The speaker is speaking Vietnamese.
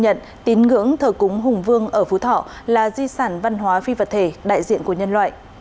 nhận tín ngưỡng thờ cúng hùng vương ở phú thọ là di sản văn hóa phi vật thể đại diện của nhân loại